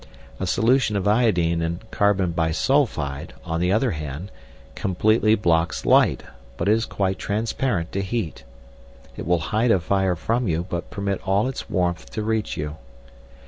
A solution of iodine in carbon bisulphide, on the other hand, completely blocks light, but is quite transparent to heat. It will hide a fire from you, but permit all its warmth to reach you.